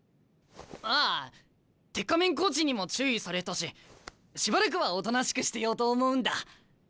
ああ鉄仮面コーチにも注意されたししばらくはおとなしくしてようと思うんだ。